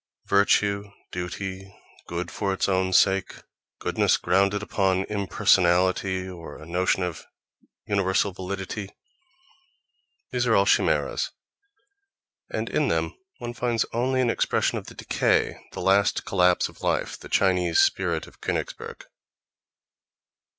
"Virtue," "duty," "good for its own sake," goodness grounded upon impersonality or a notion of universal validity—these are all chimeras, and in them one finds only an expression of the decay, the last collapse of life, the Chinese spirit of Königsberg.